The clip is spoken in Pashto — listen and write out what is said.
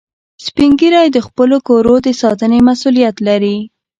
سپین ږیری د خپلو کورو د ساتنې مسؤولیت لري